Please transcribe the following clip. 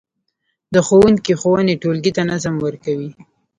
د ښوونکي ښوونې ټولګي ته نظم ورکوي.